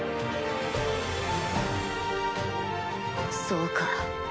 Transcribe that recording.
そうか。